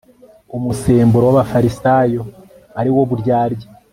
umusemburo w abafarisayo ari wo buryarya